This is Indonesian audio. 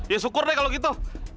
ya syukur deh kalau gitu